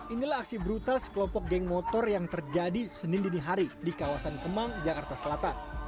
inilah aksi brutal sekelompok geng motor yang terjadi senin dinihari di kawasan kemang jakarta selatan